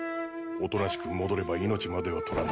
おとなしく戻れば命までは取らぬ。